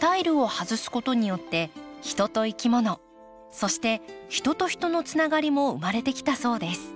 タイルを外すことによって人といきものそして人と人のつながりも生まれてきたそうです。